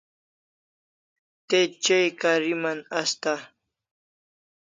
Te chai kariman asta